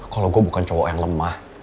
kalau gue bukan cowok yang lemah